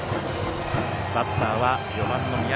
バッターは４番の三宅。